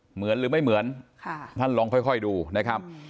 เหมือนหรือไม่เหมือนท่านลองค่อยดูนะครับ